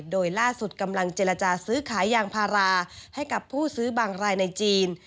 โดยล่าสุดกำลังเจรจาซื้อขายยางพาราให้กับผู้ซื้อบางรายในจีน